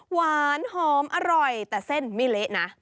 หวานหอมอร่อยแต่เส้นไม่เละนะ